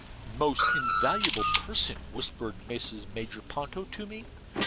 'Most invaluable person,' whispered Mrs. Major Ponto to me.